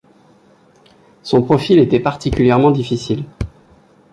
Son profil était particulièrement difficile.